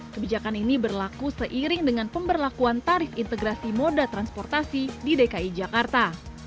kebijakan ini berlaku seiring dengan pemberlakuan tarif integrasi moda transportasi di dki jakarta